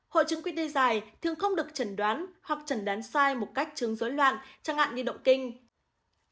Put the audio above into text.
hộ trứng quy tê dài thường không được trần đoán hoặc trần đoán sai một cách chứng dối loạn chẳng hạn như động kinh